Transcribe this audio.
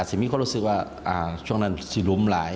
ซึ่งมีคนรู้จักว่าช่วงนั้นสิรุ่นหลาย